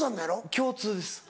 共通です。